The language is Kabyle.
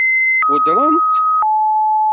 Weddṛen-tt?